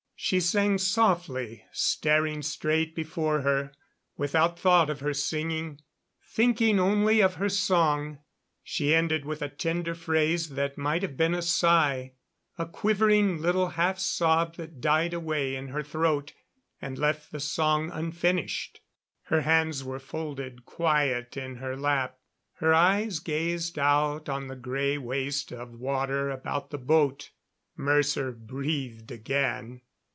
She sang softly, staring straight before her, without thought of her singing, thinking only of her song. She ended with a tender phrase that might have been a sigh a quivering little half sob that died away in her throat and left the song unfinished. Her hands were folded quiet in her lap; her eyes gazed out on the gray waste of water about the boat. Mercer breathed again.